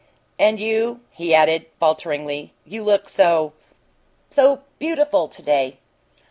And you," he added, falteringly, "you look so so beautiful to day!"